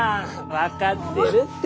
分かってるって。